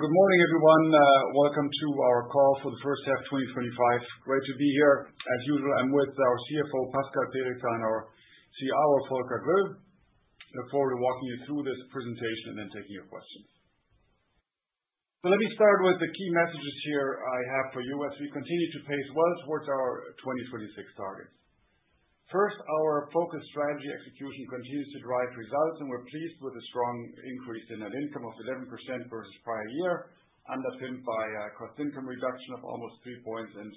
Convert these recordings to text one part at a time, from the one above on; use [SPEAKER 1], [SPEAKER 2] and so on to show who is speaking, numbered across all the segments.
[SPEAKER 1] Good morning, everyone. Welcome to our call for the first half twenty twenty five. Great to be here. As usual, I'm with our CFO, Pascal Perica and our CRO, Volker Gruhl. Look forward to walking you through this presentation and then taking your questions. So let me start with the key messages here I have for you as we continue to pace well towards our 2026 targets. First, our focused strategy execution continues to drive results, and we're pleased with a strong increase in net income of 11% versus prior year, underpinned by costincome reduction of almost three points and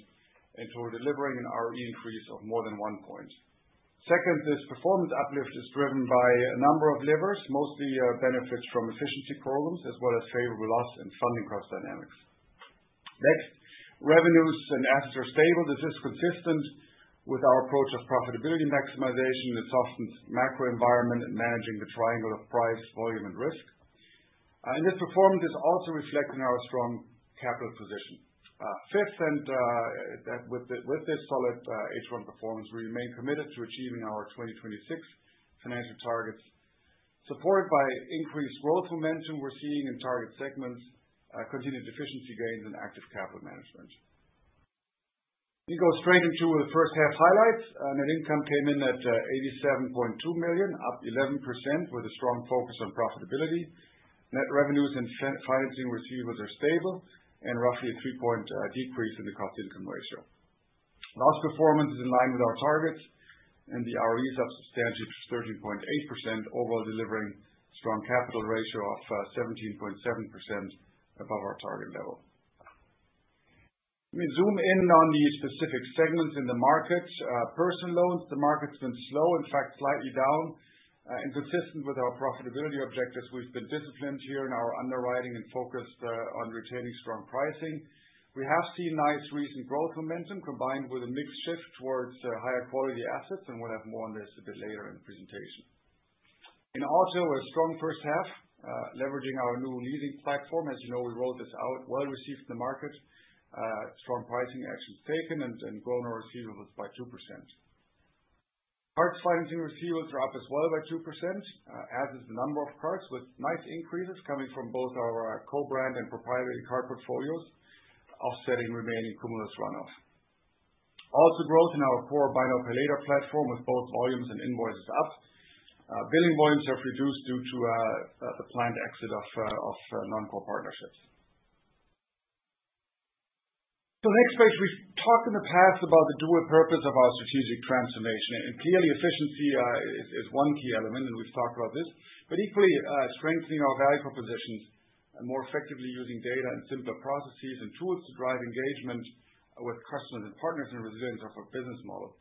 [SPEAKER 1] toward delivering an ROE increase of more than one point. Second, this performance uplift is driven by a number of levers, mostly benefits from efficiency problems as well as favorable loss and funding cost dynamics. Next, revenues and assets are stable. This is consistent with our approach of profitability maximization and softened macro environment and managing the triangle of price, volume and risk. And this performance is also reflecting our strong capital position. Fifth, and with this solid H1 performance, we remain committed to achieving our 2026 financial targets, supported by increased growth momentum we're seeing in target segments, continued efficiency gains and active capital management. We go straight into the first half highlights. Net income came in at €87,200,000 up 11% with a strong focus on profitability. Net revenues and financing receivables are stable and roughly a three point decrease in the cost to income ratio. Loss performance is in line with our targets and the ROE is up substantially to 13.8%, overall delivering strong capital ratio of 17.7% above our target level. Let me zoom in on the specific segments in the market. Personal loans, the market has been slow, in fact slightly down. And consistent with our profitability objectives, we've been disciplined here in our underwriting and focused on retaining strong pricing. We have seen nice recent growth momentum combined with a mix shift towards higher quality assets, and we'll have more on this a bit later in the presentation. In auto, a strong first half, leveraging our new leasing platform. As you know, we rolled this out well received in the market, strong pricing actions taken and grown our receivables by 2%. Parts financing receivables are up as well by 2%, as is the number of cards with nice increases coming from both our co brand and proprietary card portfolios, offsetting remaining cumulus runoff. Also growth in our core BinoPelator platform with both volumes and invoices up. Billing volumes have reduced due to the planned exit of non core partnerships. So next page. We've talked in the past about the dual purpose of our strategic transformation. And clearly, efficiency is one key element, and we've talked about this. But equally, strengthening our value propositions more effectively using data and simpler processes and tools to drive engagement with customers and partners and resilience of our business model.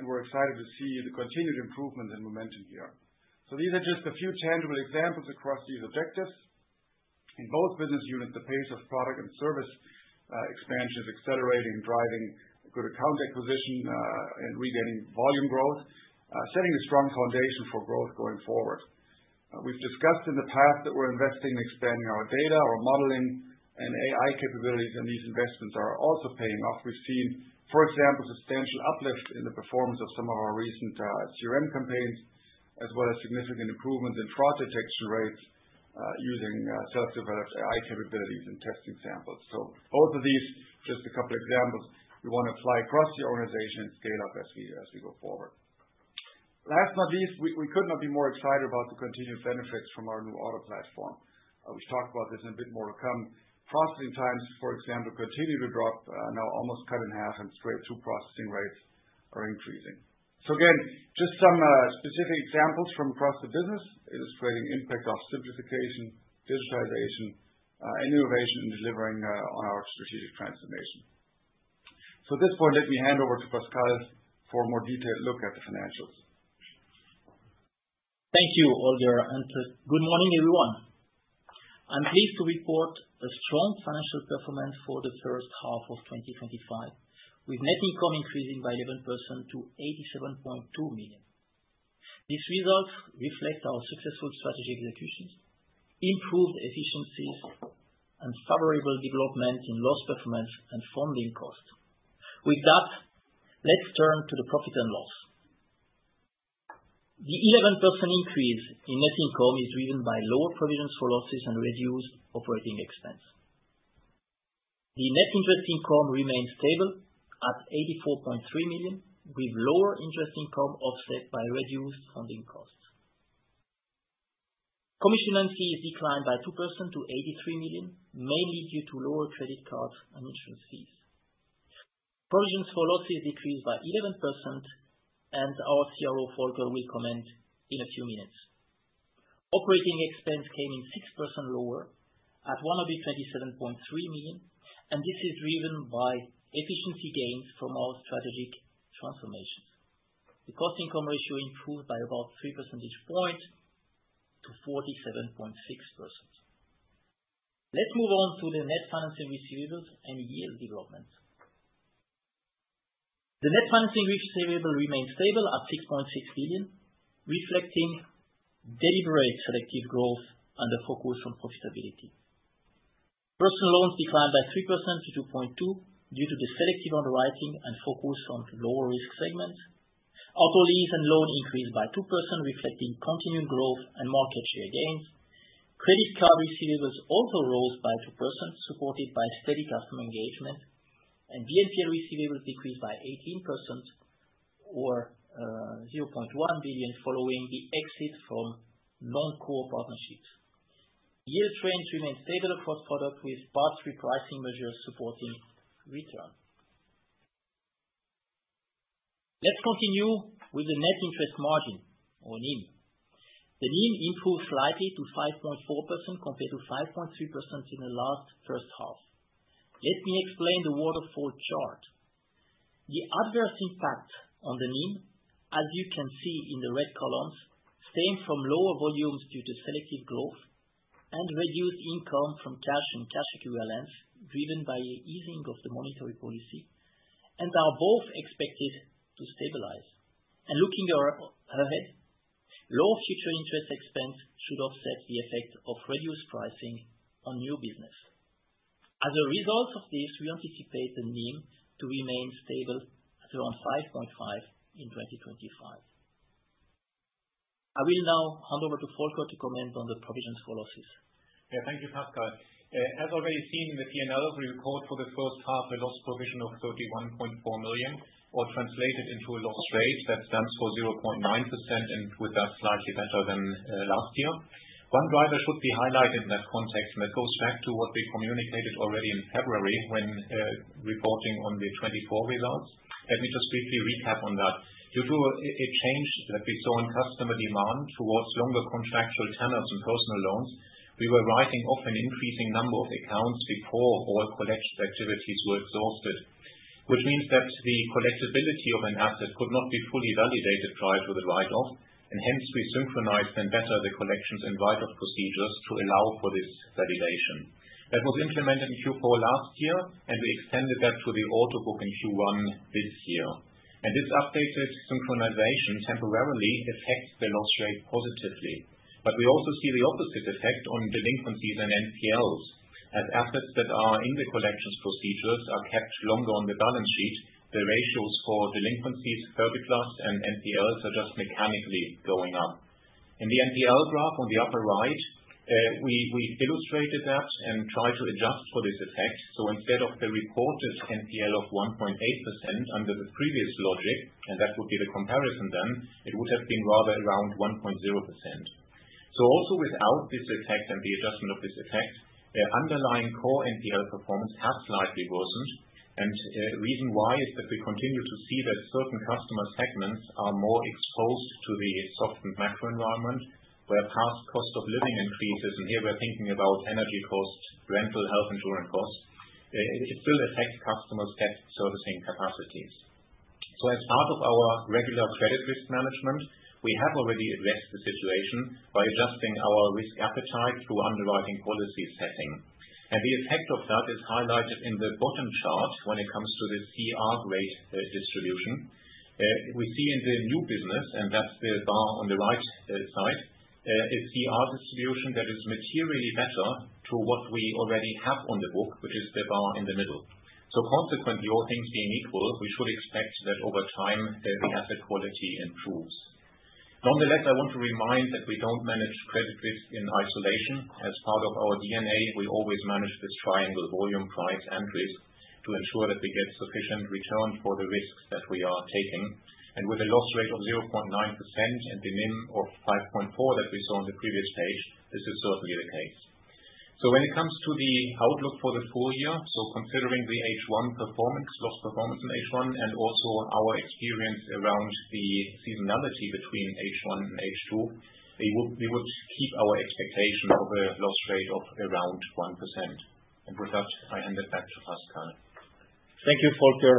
[SPEAKER 1] And we're excited to see the continued improvement and momentum here. So these are just a few tangible examples across these objectives. In both business units, the pace of product and service expansion is accelerating, driving good account acquisition and regaining volume growth, setting a strong foundation for growth going forward. We've discussed in the past that we're investing in expanding our data, our modeling and AI capabilities and these investments are also paying off. We've seen, for example, substantial uplift in the performance of some of our recent CRM campaigns as well as significant improvements in fraud detection rates using self developed AI capabilities and testing samples. So both of these just a couple of examples we want to apply across the organization and scale up as we go forward. Last but not least, we could not be more excited about the continued benefits from our new auto platform. We've talked about this in a bit more to come. Processing times, for example, continue to drop now almost cut in half and straight processing rates are increasing. So again, just some specific examples from across the business, illustrating impact of simplification, digitization and innovation in delivering on our strategic transformation. So at this point, let me hand over to Pascal for a more detailed look at the financials.
[SPEAKER 2] Thank you, Older, and good morning, everyone. I'm pleased to report a strong financial performance for the 2025 with net income increasing by 11% to 87,200,000.0. These results reflect our successful strategic executions, improved efficiencies and favorable development in loss performance and funding cost. With that, let's turn to the profit and loss. The 11% increase in net income is driven by lower provisions for losses and reduced operating expense. The net interest income remained stable at 84,300,000.0 with lower interest income offset by reduced funding costs. Commission and fees declined by 2% to 83,000,000 mainly due to lower credit cards and insurance fees. Provisions for losses decreased by 11% and our CRO Volker will comment in a few minutes. Operating expense came in 6% lower at 127,300,000.0 and this is driven by efficiency gains from our strategic transformation. The cost income ratio improved by about three percentage points to 47.6%. Let's move on to the net financing receivables and yield development. The net financing receivable remained stable at 6.6 billion, reflecting deliberate selective growth and the focus on profitability. Personal loans declined by 3% to 2.2% due to the selective underwriting and focus on lower risk segments. Auto lease and loan increased by 2% reflecting continued growth and market share gains. Credit card receivables also rose by 2% supported by steady customer engagement and BNP receivables decreased by 18% or billion following the exit from non core partnerships. Yield trends remain stable across product with parts repricing measures supporting return. Let's continue with the net interest margin or NIM. The NIM improved slightly to 5.4% compared to 5.3% in the last first half. Let me explain the waterfall chart. The adverse impact on the NIM, as you can see in the red columns, stem from lower volumes due to selective growth and reduced income from cash and cash equivalents, driven by easing of the monetary policy and are both expected to stabilize. And looking ahead, lower future interest expense should offset the effect of reduced pricing on new business. As a result of this, we anticipate the NIM to remain stable at around 5.5 in 2025. I will now hand over to Volker to comment on the provisions for losses.
[SPEAKER 3] Yeah. Thank you, Pascal. As already seen in the P and L, we record for the first half a loss provision of 31,400,000.0 or translated into a loss rate that stands for 0.9% and with us slightly better than last year. One driver should be highlighted in that context and it goes back to what we communicated already in February when reporting on the 2024 results. Let me just briefly recap on that. Due to a change that we saw in customer demand towards longer contractual tenors and personal loans, we were writing off an increasing number of accounts before all collections activities were exhausted, which means that the collectability of an asset could not be fully validated prior to the write off and hence we synchronized and better the collections and write off procedures to allow for this validation. That was implemented in Q4 last year and we extended that to the order book in Q1 this year. And this updated synchronization temporarily affects the loss rate positively. But we also see the opposite effect on delinquencies and NPLs as assets that are in the collections procedures are kept longer on the balance sheet, the ratios for delinquencies, surplus and NPLs are just mechanically going up. In the NPL graph on the upper right, we illustrated that and tried to adjust for this effect. So instead of the reported NPL of 1.8% under the previous logic, and that would be the comparison then, it would have been rather around 1%. So also without this effect and the adjustment of this effect, underlying core NPL performance has slightly worsened. And the reason why is that we continue to see that certain customer segments are more exposed to the softened macro environment where past cost of living increases and here we are thinking about energy costs, rental health insurance costs, it still affects customers' debt servicing capacities. So as part of our regular credit risk management, we have already addressed the situation by adjusting our risk appetite through underwriting policy setting. And the effect of that is highlighted in the bottom chart when it comes to the CR rate distribution. We see in the new business and that's the bar on the right side, a distribution that is materially better to what we already have on the book, which is the bar in the middle. So consequently all things being equal, we should expect that over time the asset quality improves. Nonetheless, I want to remind that we don't manage credit risk in isolation. As part of our DNA, we always manage this triangle volume price and risk to ensure that we get sufficient return for the risks that we are taking. And with a loss rate of 0.9% and the NIM of 5.4% that we saw on the previous page, this is certainly the case. So when it comes to the outlook for the full year, so considering the H1 performance, loss performance in H1 and also our experience around the seasonality between H1 and H2, we would keep our expectation of a loss rate of around 1%. And with that, I hand it back to Pascal.
[SPEAKER 2] Thank you, Volker.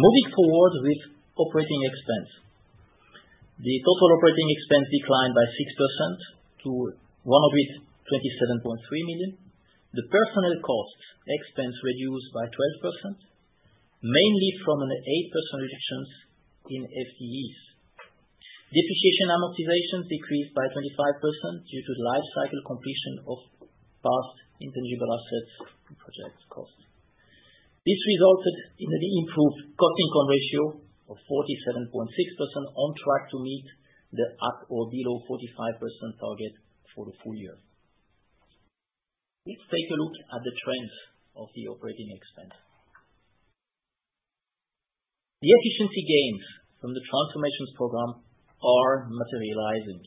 [SPEAKER 2] Moving forward with operating expense. The total operating expense declined by 6% to €127,300,000 The personnel cost expense reduced by 12%, mainly from an 8% reduction in FTEs. Depreciation amortizations decreased by 25% due to the life cycle completion of past intangible assets and project costs. This resulted in an improved cost income ratio of 47.6% on track to meet the at or below 45% target for the full year. Let's take a look at the trends of the operating expense. The efficiency gains from the transformations program are materializing.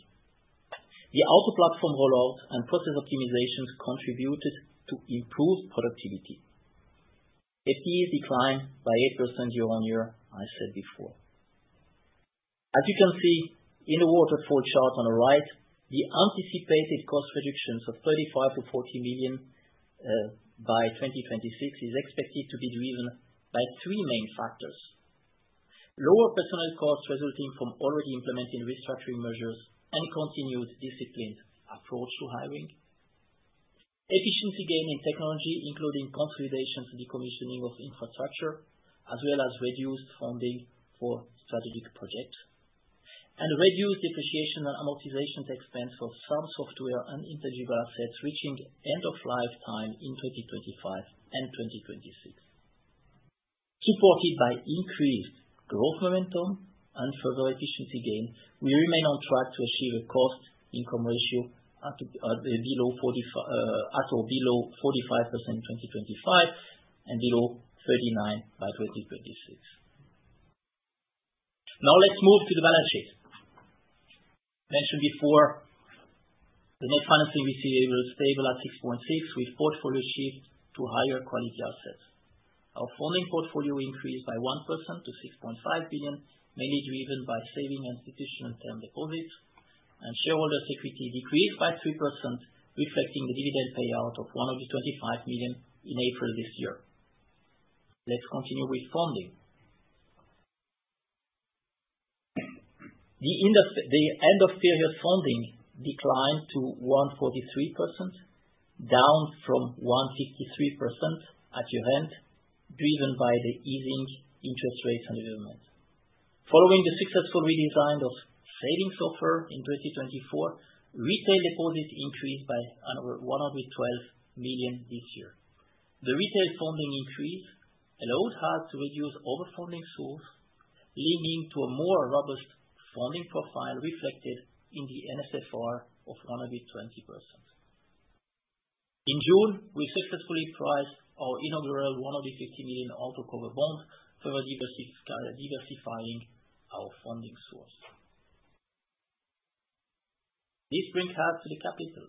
[SPEAKER 2] The auto platform rollout and process optimizations contributed to improved productivity. FTE declined by 8% year on year, I said before. As you can see in the waterfall chart on the right, the anticipated cost reductions of 35,000,000 to 40,000,000 expected to be driven by three main factors. Lower personnel costs resulting from already implementing restructuring measures and continued disciplined approach to hiring. Efficiency gain in technology including consolidation and decommissioning of infrastructure, as well as reduced funding for strategic projects. And reduced depreciation and amortization expense for some software and intangible assets reaching end of lifetime in 2025 and 2026. Supported by increased growth momentum and further efficiency gains, we remain on track to achieve a cost income ratio at or below forty five percent 2025 and below 39 by 2026. Now let's move to the balance sheet. Mentioned before, the net financing we see will stable at 6.6 with portfolio shift to higher quality assets. Our funding portfolio increased by 1% to 6,500,000,000.0, mainly driven by saving institutional term deposits and shareholders equity decreased by 3% reflecting the dividend payout of 125,000,000 in April. Let's continue with funding. The end of period funding declined to 143%, down from 153% at year end, driven by the easing interest rates and development. Following the successful redesign of savings offer in 2024, retail deposits increased by 112,000,000 this year. The retail funding increase allowed us to reduce over funding source, leading to a more robust funding profile reflected in the NSFR of 120%. In June, we successfully priced our inaugural €150,000,000 auto cover bond further diversifying our funding source. This brings us to the capital.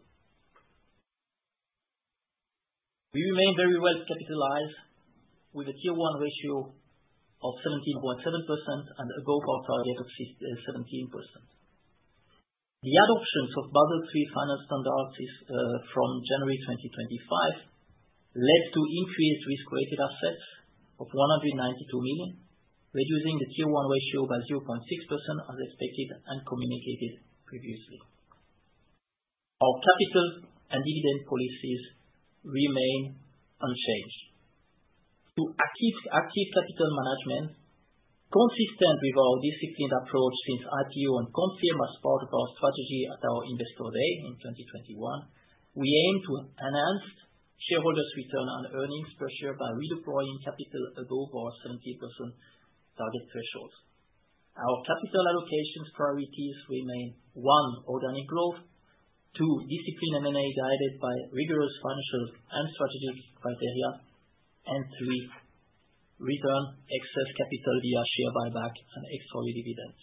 [SPEAKER 2] We remain very well capitalized with a tier one ratio of 17.7% and a go forward target of 17%. The adoptions of Basel III final standard from January 2025 led to increased risk weighted assets of 192,000,000, reducing the Tier one ratio by 0.6% as expected communicated previously. Our capital and dividend policies remain unchanged. Through active capital management consistent with our disciplined approach since IPO and CONSIM as part of our strategy at our Investor Day in 2021, we aim to enhance shareholders return on earnings per share by redeploying capital above our 70% target threshold. Our capital allocation priorities remain one, organic growth two, disciplined M and A guided by rigorous financial and strategic criteria and three, return excess capital via share buyback and extra dividends.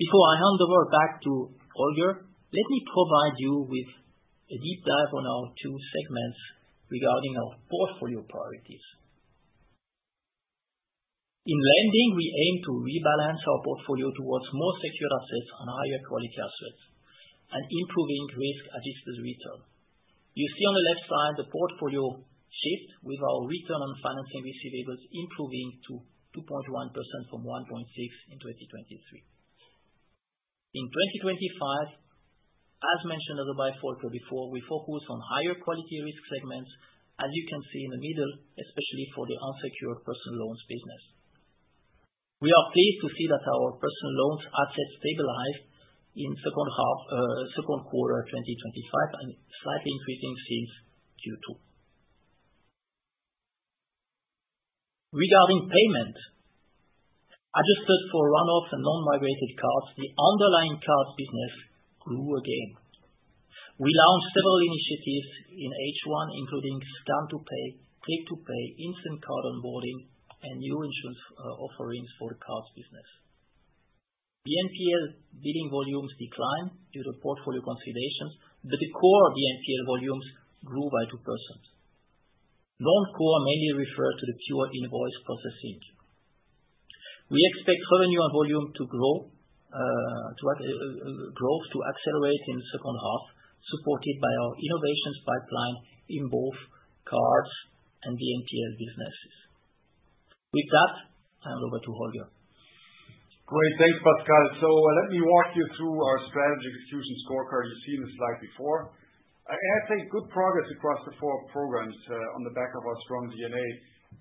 [SPEAKER 2] Before I hand over back to Roger, let me provide you with a deep dive on our two segments regarding our portfolio priorities. In lending, we aim to rebalance our portfolio towards more secure assets and higher quality assets and improving risk adjusted return. You see on the left side the portfolio shift with our return on financing labels improving to 2.1% from 1.6% in 2023. In 2025, as mentioned as a bifocal before, we focus on higher quality risk segments as you can see in the middle, especially for the unsecured personal loans business. We are pleased to see that our personal loans assets stabilized in second quarter twenty twenty five and slightly increasing since Q2. Regarding payment, adjusted for runoff and non migrated cards, the underlying cards business grew again. We launched several initiatives in H1 including Scan2Pay, Click2Pay, Instant Card onboarding and new insurance offerings for the cards business. The NPL billing volumes declined due to portfolio consolidations, but the core of the NPL volumes grew by 2%. Non core mainly refer to the pure invoice processing. We expect revenue and volume to grow growth to accelerate in the second half supported by our innovations pipeline in both cards and BNPL businesses. With that, I hand over to Holger.
[SPEAKER 1] Great. Thanks, Pascal. So, let me walk you through our strategy execution scorecard. You've seen the slide before. I'd say good progress across the four programs on the back of our strong DNA.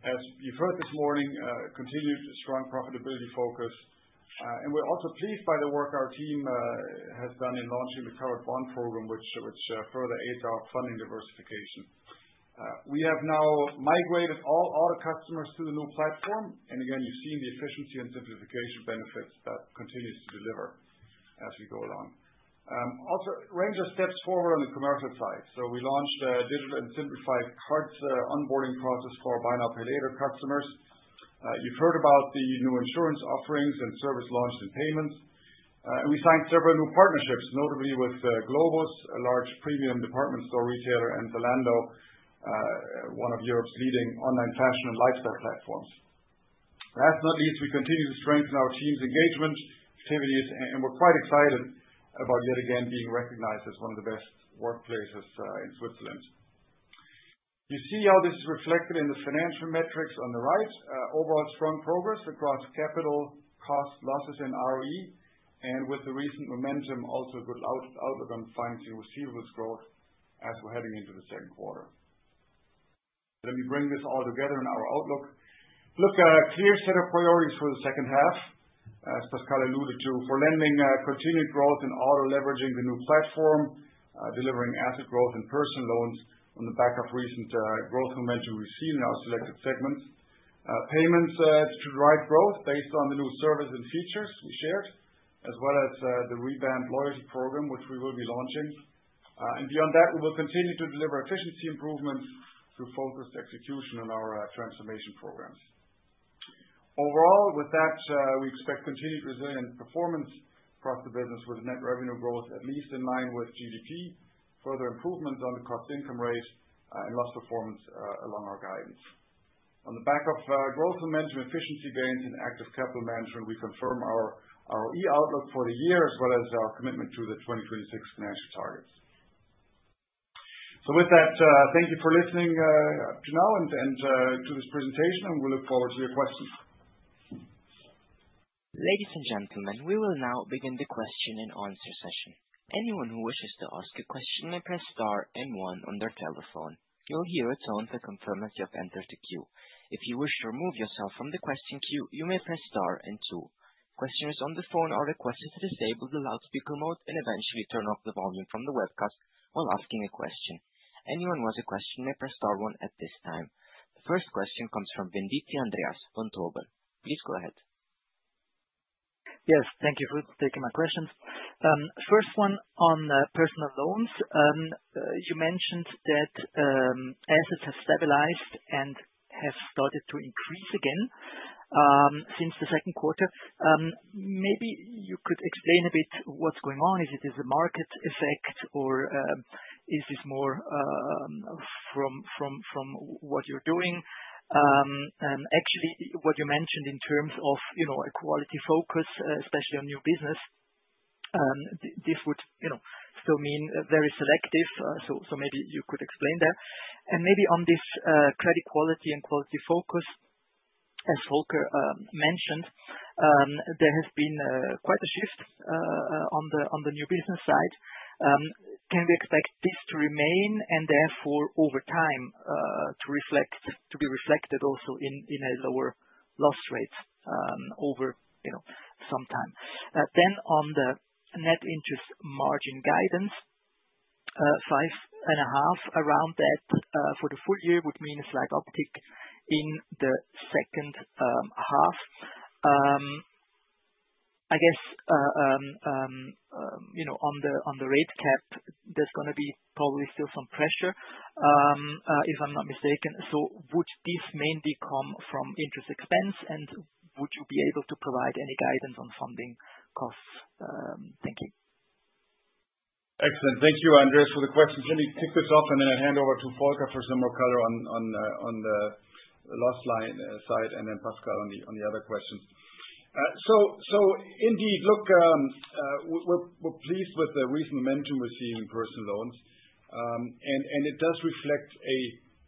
[SPEAKER 1] As you've heard this morning, continued strong profitability focus. And we're also pleased by the work our team has done in launching the covered bond program, which further aids our funding diversification. We have now migrated all auto customers to the new platform. And again, you've seen the efficiency and simplification benefits that continues to deliver as we go along. Also, range of steps forward on the commercial side. So we launched a digital and simplified card onboarding process for buy now pay later customers. You've heard about the new insurance offerings and service launched in payments. And we signed several new partnerships notably with Globus, a large premium department store retailer and Zalando, one of Europe's leading online fashion and lifestyle platforms. Last but not least, we continue to strengthen our team's engagement activities, and we're quite excited about yet again being recognized as one of the best workplaces in Switzerland. You see how this is reflected in the financial metrics on the right. Overall strong progress across capital cost losses and ROE. And with the recent momentum, also a good outlook on financing receivables growth as we're heading into the second quarter. Let me bring this all together in our outlook. Look, a clear set of priorities for the second half, as Pascal alluded to. For lending, continued growth in auto leveraging the new platform, delivering asset growth in personal loans on the back of recent growth momentum we see in our selected segments payments to drive growth based on the new service and features we shared as well as the revamped loyalty program, which we will be launching. And beyond that, we will continue to deliver efficiency improvements through focused execution on our transformation programs. Overall, with that, we expect continued resilient performance across the business with net revenue growth at least in line with GDP, further improvements on the costincome rate and loss performance along our guidance. On the back of growth momentum, efficiency gains in active capital management, we confirm our ROE outlook for the year as well as our commitment to the 2026 financial targets. So with that, thank you for listening to now and to this presentation, and we look forward to your questions.
[SPEAKER 4] Anyone who wishes to ask a question may press and one on their telephone. You'll hear a tone to confirm that you have entered the queue. If you wish to remove yourself from the question queue, you may press and two. Questioners on the phone are requested to disable the loud The first question comes from Vinditi Andreas von Thoebel. Please go ahead.
[SPEAKER 5] Yes. Thank you for taking my questions. First one on personal loans. You mentioned that assets have stabilized and have started to increase again since the second quarter. Maybe you could explain a bit what's going on. Is it a market effect? Or is this more from what you're doing? Actually, what you mentioned in terms of quality focus, especially on new business, this would still mean very selective. So maybe you could explain that. And maybe on this credit quality and quality focus, as Volker mentioned, there has been quite a shift on the new business side. Can we expect this to remain and therefore, over time, to reflect to be reflected also in a lower loss rate over some time. Then on the net interest margin guidance, 5,500,000,000.0, around that for the full year would mean a slight uptick in the second half. I guess on the rate cap, there's going to be probably still some pressure, if I'm not mistaken. So would this mainly come from interest expense? And would you be able to provide any guidance on funding costs?
[SPEAKER 1] Excellent. Thank you, Andreas, for the questions. Let me kick this off and then I hand over to Volker for some more color on the loss line side and then Karl on the other questions. So indeed, look, we're pleased with the recent momentum we're seeing in personal loans. And it does reflect a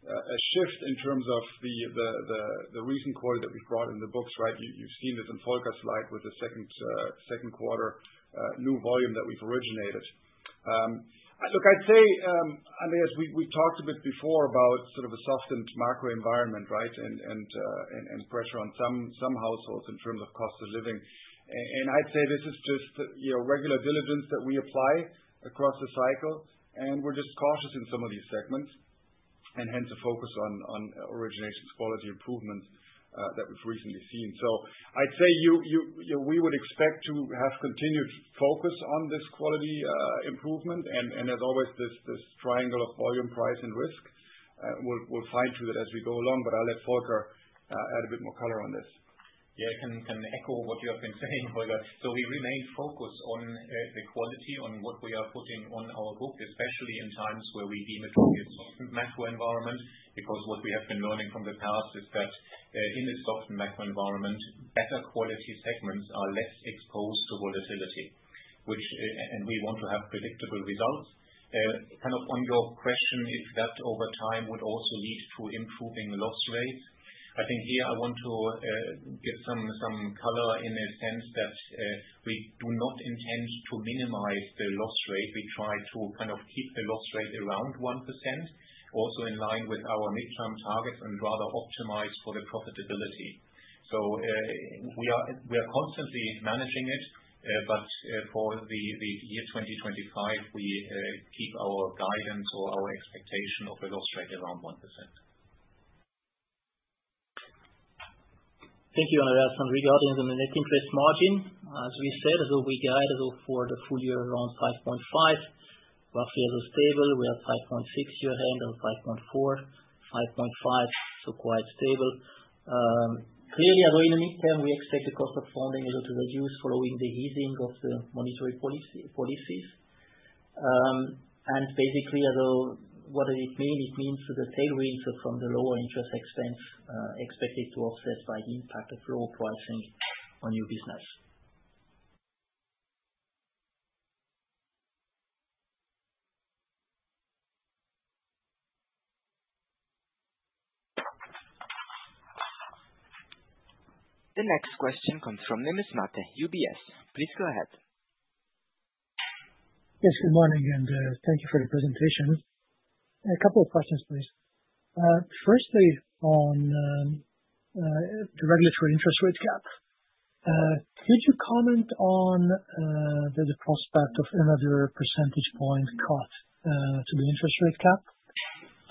[SPEAKER 1] shift in terms of the recent quarter that we've brought in the books, right? You've seen this in Volker's slide with the second quarter new volume that we've originated. Look, I'd say, Andreas, we talked a bit before about sort of a softened macro environment, right, and pressure on some households in terms of cost of living. And I'd say this is just regular diligence that we apply across the cycle. And we're just cautious in some of these segments and hence a focus on originations quality improvement that we've recently seen. So I'd say, we would expect to have continued focus on this quality improvement. And as always, this triangle of volume, price and risk, we'll fine tune it as we go along. But I'll let Volker add a bit more color on this.
[SPEAKER 3] Yes. I can echo what you have been saying, Volker. So we remain focused on the quality on what we are putting on our book, especially in times where we deem it to be a softened macro environment because what we have been learning from the past is that in a softened macro environment better quality segments are less exposed to volatility, which and we want to have predictable results. Kind of on your question if that over time would also lead to improving loss rates. I think here I want to give some color in a sense that we do not intend to minimize the loss rate. We try to kind of keep the loss rate around 1% also in line with our midterm targets and rather optimize for the profitability. So we are constantly managing it. But for the year 2025, we keep our guidance or our expectation of a loss rate around 1%.
[SPEAKER 2] Thank you, Andreas. And regarding the net interest margin, as we said, as we guided for the full year around 5.5%, roughly as stable. We have 5.6% year end and 5.4%, 5.5 so quite stable. Clearly, although in the midterm, we expect the cost of funding to reduce following the easing of the monetary policies. And basically, although what does it mean? It means that the tailwinds from the lower interest expense expected to offset by the impact of lower pricing on your business.
[SPEAKER 4] The next question comes from Nemez Mate, UBS. Please go ahead.
[SPEAKER 6] Yes, good morning and thank you for the presentation. A couple of questions, please. Firstly, on the regulatory interest rate cap. Could you comment on the prospect of another percentage point cut to the interest rate cap?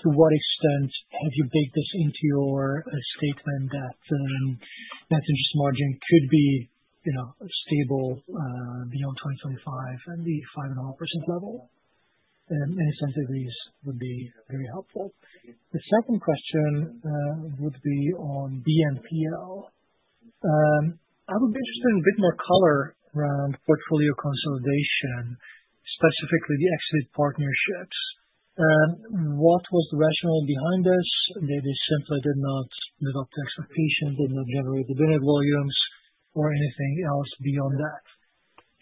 [SPEAKER 6] To what extent have you baked this into your statement that net interest margin could be stable beyond 2025 and the 5.5% level? Any sensitivities would be very helpful. The second question would be on BNPL. I would be interested in a bit more color around portfolio consolidation, specifically the exit partnerships. What was the rationale behind this? They simply did not develop the expectation, did not generate the benefit volumes or anything else beyond that?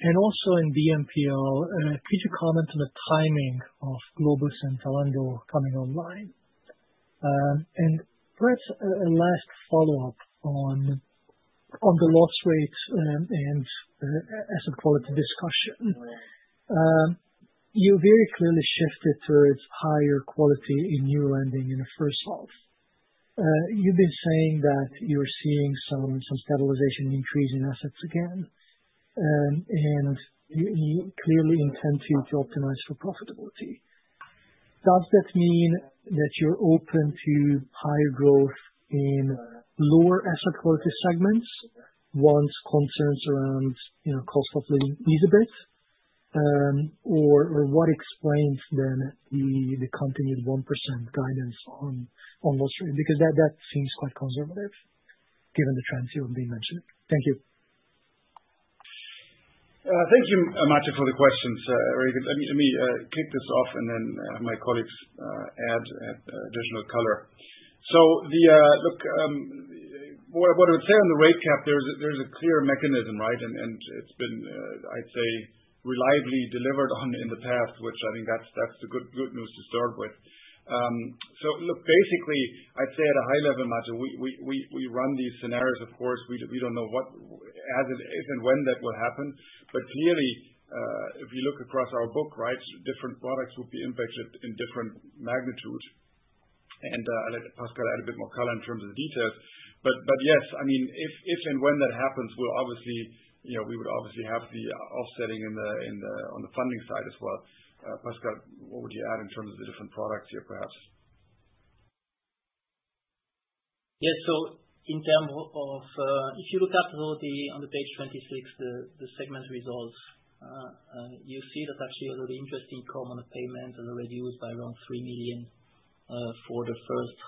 [SPEAKER 6] And also in the NPL, could you comment on the timing of Globus and Zalando coming online? And perhaps a last follow-up on on the loss rates and asset quality discussion. You very clearly shifted towards higher quality in new lending in the first half. You've been saying that you're seeing some some stabilization increase in assets again, and you you clearly intend to to optimize for profitability. Does that mean that you're open to higher growth in lower asset quality segments once concerns around cost of living is a bit? Or what explains then the continued 1% guidance on loss rate? Because that seems quite conservative given the trends you've been mentioning.
[SPEAKER 1] Thank you, Matte, for the questions. Very good. Let kick this off and then my colleagues add additional color. So the look, what I would say on the rate cap, there's a clear mechanism, right? And it's been, I'd say, reliably delivered on in the past, which I think that's the good news to start with. So look, basically, I'd say at a high level, Matteo, we run these scenarios. Of course, we don't know what as and when that will happen. But clearly, if you look across our book, right, different products will be impacted in different magnitude. And I'll let Pascal add a bit more color in terms of the details. But yes, I mean, if and when that happens, we'll obviously we would obviously have the offsetting on the funding side as well. Pascal, what would you add in terms of the different products here perhaps?
[SPEAKER 2] Yes. So, in terms of if you look at the on the page 26, the segment results, you see that actually the interest income on the payment has already used by around 3,000,000 for the first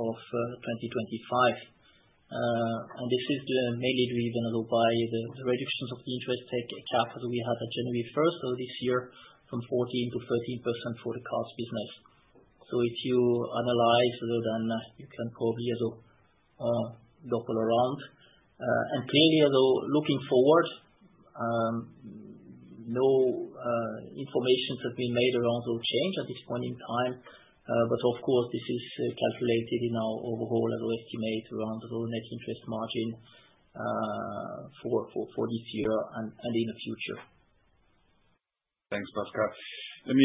[SPEAKER 2] And this is mainly driven by the reductions of the interest capital we had at January 1 from 14% to 13% for the cards business. So if you analyze, then you can call here the Doppler around. And clearly, looking forward, no information that we made around will change at this point in time. But of course, this is calculated in our overall and our estimate around the whole net interest margin for this year and in the future.
[SPEAKER 1] Thanks, Baskar. Let me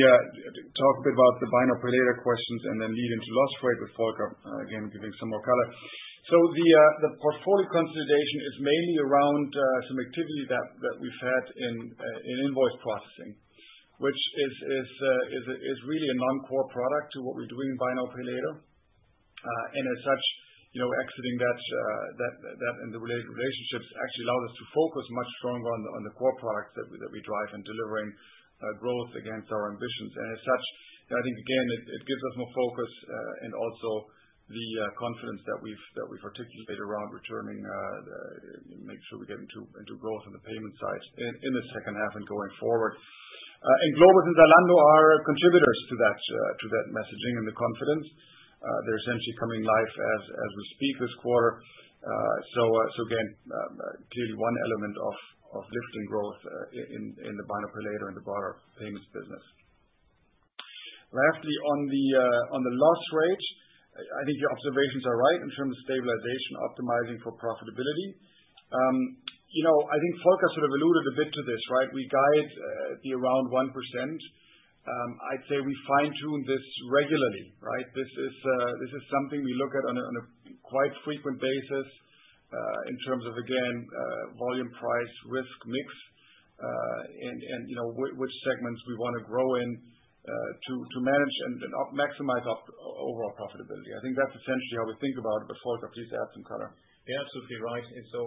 [SPEAKER 1] talk a bit about the binary related questions and then lead into loss rate with Volker, again, giving some more color. So, the portfolio consolidation is mainly around some activity that we've had in invoice processing, which is really a noncore product to what we're doing in buy now pay later. And as such, exiting that and the related relationships actually allowed us to focus much stronger on the core products that we drive and delivering growth against our ambitions. And as such, I think, again, it gives us more focus and also the confidence that we've articulated around returning make sure we get into growth on the payment side in the second half and going forward. And Globus and Zalando are contributors to that messaging and the confidence. They're essentially coming live as we speak this quarter. So again, clearly, one element of lifting growth in the Banner Prelator and the broader payments business. Lastly, on the loss rate, I think your observations are right in terms of stabilization optimizing profitability. I think Volker sort of alluded a bit to this, right? We guide the around 1%. I'd say we fine tune this regularly, right? This is something we look at on a quite frequent basis in terms of, again, volume price, risk mix and which segments we want to grow in to manage and maximize our overall profitability. I think that's essentially how we think about it. But Volker, please add some color.
[SPEAKER 3] You're absolutely right. And so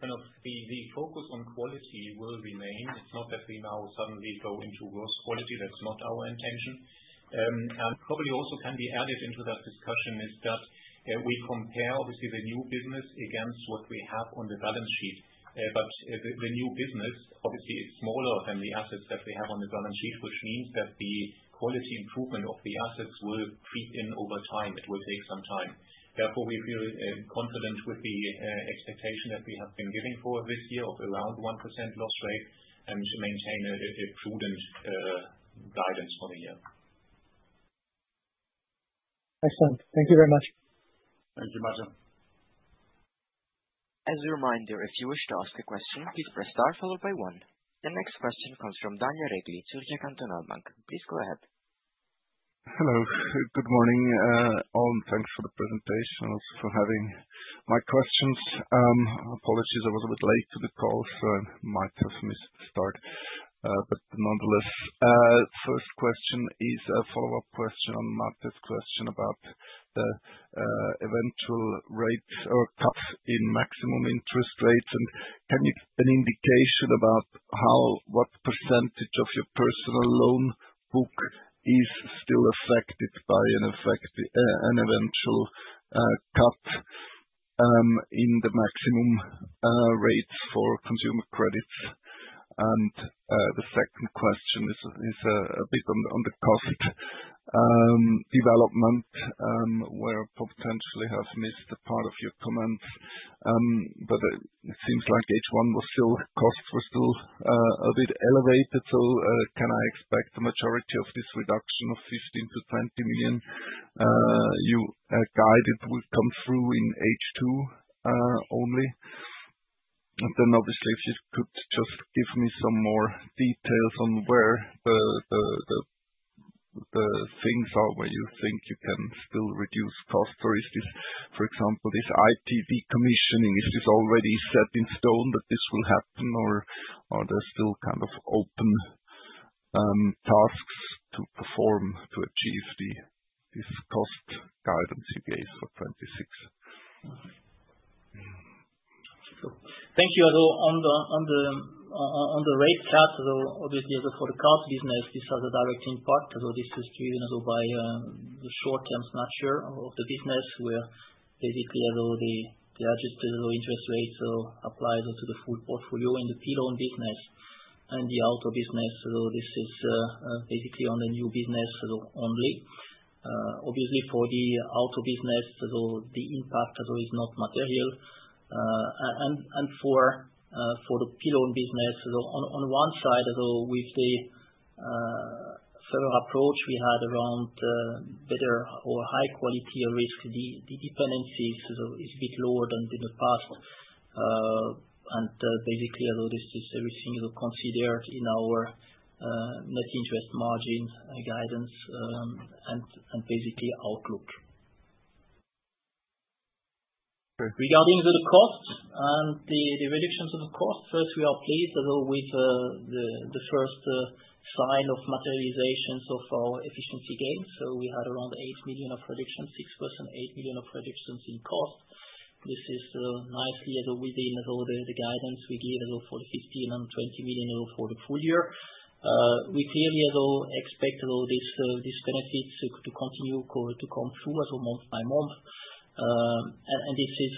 [SPEAKER 3] kind of the focus on quality will remain. It's not that we now suddenly go into gross quality. That's not our intention. And probably also can be added into that discussion is that we compare obviously the new business against what we have on the balance sheet. But the new business obviously is smaller than the assets that we have on the balance sheet, which means that the quality improvement of the assets will creep in over time. It will take some time. Therefore, we feel confident with the expectation that we have been giving for this year of around 1% loss rate and to maintain a prudent guidance for the year.
[SPEAKER 6] Excellent. Thank you very much.
[SPEAKER 1] Thank you, Batya.
[SPEAKER 4] The next question comes from Daniel Regley, Surgic Antonalbank. Please go ahead.
[SPEAKER 7] Apologies, I was a bit late to the call, so I might have missed the start. But nonetheless, first question is a follow-up on Martin's question about the eventual rates or cuts in maximum interest rates. And can you give an indication about how what percentage of your personal loan book is still affected by an effect an eventual cut in the maximum rates for consumer credits? And the second question is a bit on the cost development, where potentially have missed a part of your comments. But it seems like H1 was still costs were still a bit elevated. So can I expect the majority of this reduction of 15,000,000 to 20,000,000 you guided would come through in H2 only? And then, obviously, if you could just give me some more details on where the the the things are where you think you can still reduce cost? Or is this, for example, this IT decommissioning, is this already set in stone that this will happen? Or are there still kind of open tasks to perform to achieve this cost guidance you gave for '26?
[SPEAKER 2] Thank you. On the rate cut, the cost business, this has a direct impact. Although this is driven by the short term snatcher of the business where basically as though the the adjusted low interest rates applies to the full portfolio in the P loan business and the auto business. So this is basically on the new business only. Obviously, for the auto business, the impact is not material. And for the P loan business, on one side with the further approach we had around better or high quality risk, the dependencies bit is lower than in the past. And basically, I noticed everything is considered in our net interest margin guidance and basically outlook. Regarding the cost, reductions of the cost. First, are pleased with the first sign of materializations of our efficiency gains. So we had around 8,000,000 of reduction, six percent 8,000,000 of reductions in cost. This is nicely within guidance we gave 15,000,000 and 20,000,000 for the full year. We clearly though expect all these benefits to continue to come through as a month by month. And this is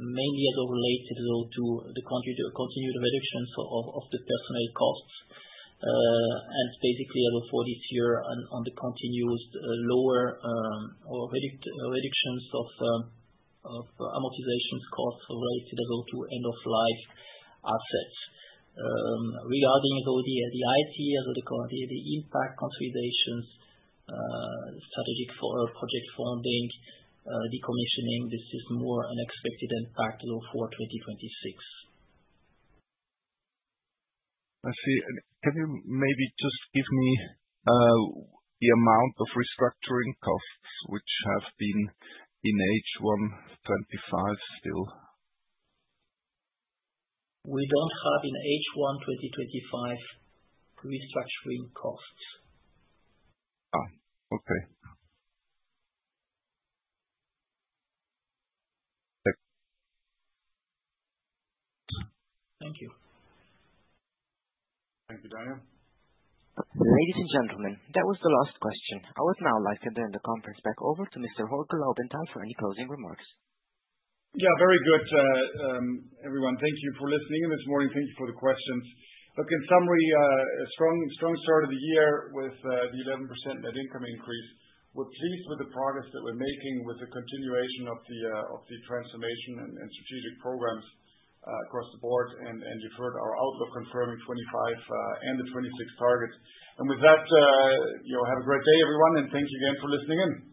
[SPEAKER 2] mainly as a related to continued reductions of the personnel costs. And basically, as of for this year, on the continuous lower or red reductions of of amortization costs related to go to end of life assets. Regarding the the IT as of the current year, the impact consolidations, strategic for project funding, decommissioning. This is more unexpected impact for 2026.
[SPEAKER 7] I see. Can you maybe just give me the amount of restructuring costs which have been in h one twenty five still?
[SPEAKER 2] We don't have in h one twenty twenty five restructuring costs.
[SPEAKER 7] Oh, okay.
[SPEAKER 2] Thank you.
[SPEAKER 1] Thank you, Daniel.
[SPEAKER 4] Ladies and gentlemen, that was the last question. I would now like to turn the conference back over to Mr. Horkle Obendijn for any closing remarks.
[SPEAKER 1] Yes. Very good, everyone. Thank you for listening in this morning. Thank you for the questions. Look, in summary, a strong start of the year with the 11% net income increase. We're pleased with the progress that we're making with the continuation of the transformation and strategic programs across the board. And you've heard our outlook confirming 25% and the 26% target. And with that, have a great day, everyone, and thank you again for listening in.